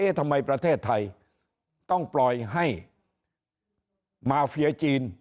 ทำไมประเทศไทยต้องปล่อยให้มาเฟียจีน